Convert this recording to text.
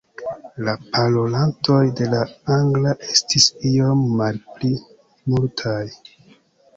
La parolantoj de la angla estis iom malpli multaj.